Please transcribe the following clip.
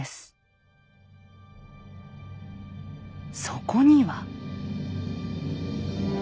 そこには。